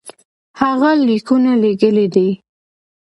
هغه لیکونه لېږلي دي.